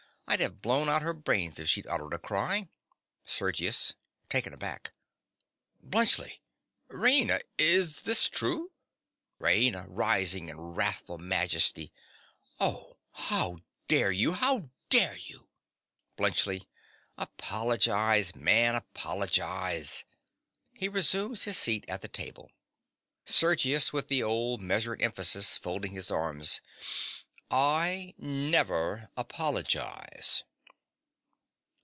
I'd have blown out her brains if she'd uttered a cry. SERGIUS. (taken aback). Bluntschli! Raina: is this true? RAINA. (rising in wrathful majesty). Oh, how dare you, how dare you? BLUNTSCHLI. Apologize, man, apologize! (He resumes his seat at the table.) SERGIUS. (with the old measured emphasis, folding his arms). I never apologize.